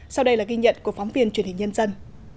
sau đây là ghi nhận của phóng viên truyền hình nhân dân